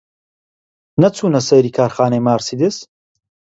نەچوونە سەیری کارخانەی مارسیدس؟